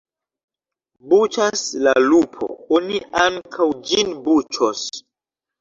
Buĉas la lupo, oni ankaŭ ĝin buĉos.